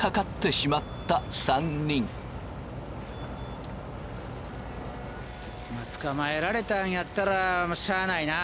まっ捕まえられたんやったらもうしゃあないな。